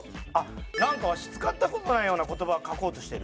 なんかわし使った事ないような言葉書こうとしてる。